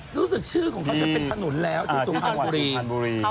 รู้สึกชื่อของเขาจะเป็นถนนแล้วที่สุพรรณบุรี